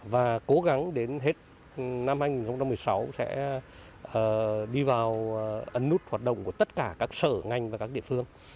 và cố gắng đến hết năm hai nghìn một mươi sáu sẽ đi vào ấn nút hoạt động của tất cả các sở ngành và các địa phương